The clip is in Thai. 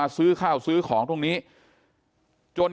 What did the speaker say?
กลุ่มตัวเชียงใหม่